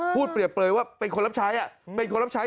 พูดเปรียบว่าเป็นคนรับใช้